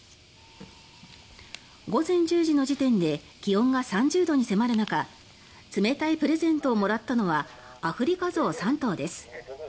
午前１０時の時点で気温が３０度に迫る中冷たいプレゼントをもらったのはアフリカゾウ３頭です。